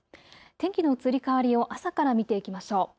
天気の移り変わりを朝から見ていきましょう。